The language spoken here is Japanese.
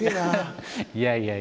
いやいや。